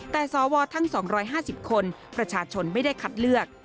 แต่สวทั้ง๒๕๐คนประชาชนไม่ได้คัดเลือก